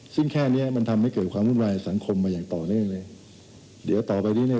ซึ่งแค่เนี้ยมันทำให้เกิดความวุ่นวายสังคมมาอย่างต่อเนื่องเลยเดี๋ยวต่อไปนี้เนี่ย